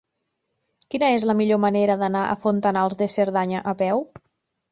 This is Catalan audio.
Quina és la millor manera d'anar a Fontanals de Cerdanya a peu?